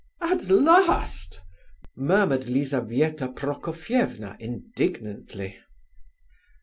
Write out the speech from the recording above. "At last!" murmured Lizabetha Prokofievna indignantly.